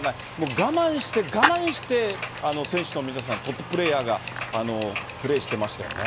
我慢して、我慢して、選手の皆さん、トッププレーヤーがプレーしてましたよね。